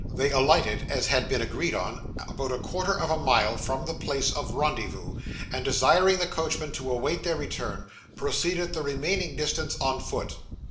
They alighted, as had been agreed on, about a quarter of a mile from the place of rendezvous, and desiring the coachman to await their return, proceeded the remaining distance on foot.